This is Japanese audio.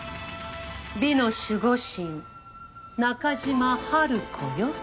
美の守護神中島ハルコよ。